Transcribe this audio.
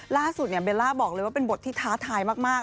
ล่าสุดเนี่ยเบลล่าบอกเลยว่าเป็นบทที่ท้าทายมาก